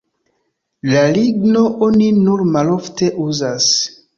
La ligno oni nur malofte uzas.